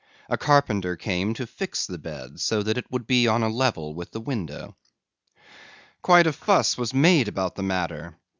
A carpenter came to fix the bed so that it would be on a level with the window. Quite a fuss was made about the matter.